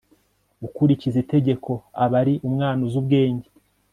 ukurikiza itegeko aba ari umwana uzi ubwenge